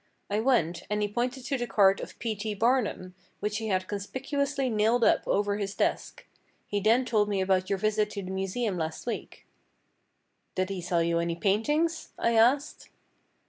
I went, and he pointed to the card of 'P. T. Barnum' which he had conspicuously nailed up over his desk; he then told me about your visit to the museum last week." "Did he sell you any paintings?" I asked.